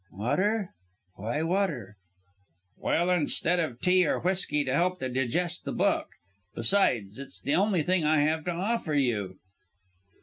"Water! Why water?" "Well, instead of tea or whisky to help digest the book. Besides, it's the only thing I have to offer you."